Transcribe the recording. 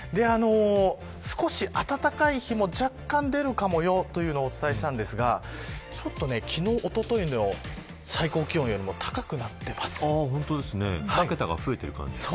少し暖かい日も若干、出るかもよというのをお伝えしたんですが昨日、おとといの最高気温よりも２桁が増えている感じ。